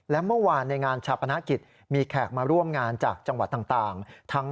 และเมื่อวานในงานชาปนกิจมีแขกมาร่วมงานจากจังหวัดต่าง